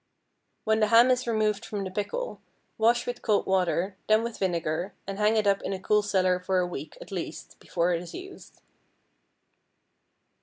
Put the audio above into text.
When the ham is removed from the pickle, wash with cold water, then with vinegar, and hang it up in a cool cellar for a week, at least, before it is used.